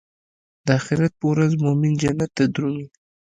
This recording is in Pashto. د اخرت پر ورځ مومن جنت ته درومي.